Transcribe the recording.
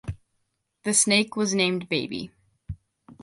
The snake was named Baby.